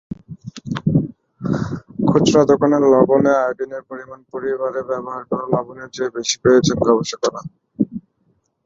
খুচরা দোকানের লবণে আয়োডিনের পরিমাণ পরিবারে ব্যবহার করা লবণের চেয়ে বেশি পেয়েছেন গবেষকেরা।